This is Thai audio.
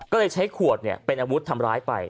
ก็เลยใช้ขวดเป็นอาวุธทำร้ายไป